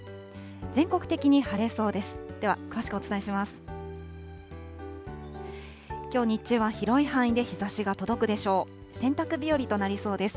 全国的に晴れそうです。